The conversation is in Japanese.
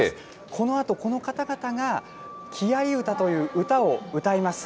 このあと、この方々が木遣り唄という唄を歌います。